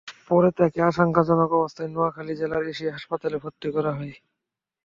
পরে তাঁকে আশঙ্কাজনক অবস্থায় নোয়াখালী জেলার এশিয়া হাসপাতালে ভর্তি করা হয়।